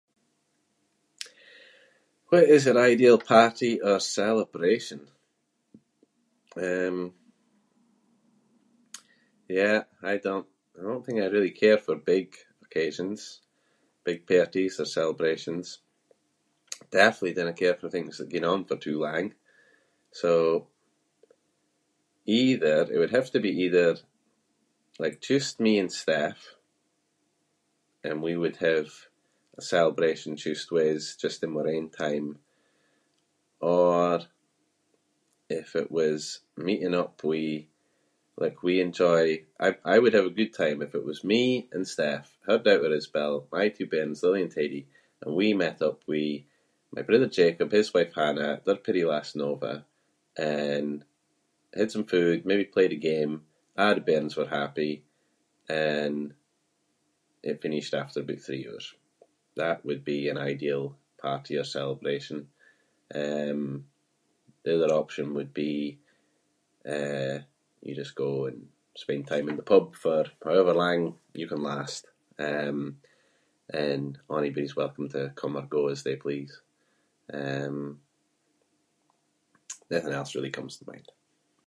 What is your ideal party or celebration? Um, yeah, I don’t- I don’t think I really I care for big occasions- big parties or celebrations. Definitely dinna care for things that go on for too lang. So either- it would have to be either, like, just me and Steph and we would have a celebration just with us just in wir own time or if it was meeting up with- like, we enjoy- I- I would have a good time if it was me and Steph [inc] as well, my two parents, Lily and Teddy and we met up with my brother Jacob, his wife Hannah, their peerie lass Nova and had some food, maybe played a game- a’ the bairns were happy and it finished after aboot three hours. That would be an ideal party or celebration. Um, the other option would be, uh, you just go and spend time in the pub for however lang you can last, um, and onybody’s welcome to come and go as they please. Um, nothing else really comes to mind.